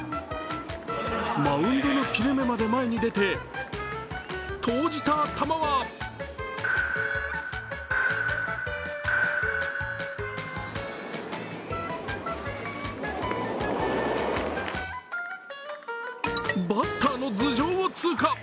マウンドの切れ目まで前に出て投じた球はバッターの頭上を通過。